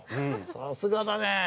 さすがだねえ！